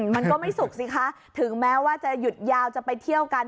มันก็ไม่สุกสิคะถึงแม้ว่าจะหยุดยาวจะไปเที่ยวกัน